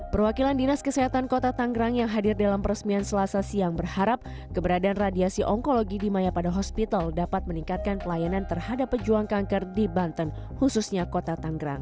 perwakilan dinas kesehatan kota tanggerang yang hadir dalam peresmian selasa siang berharap keberadaan radiasi onkologi di maya pada hospital dapat meningkatkan pelayanan terhadap pejuang kanker di banten khususnya kota tanggerang